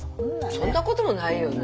そんなこともないよね。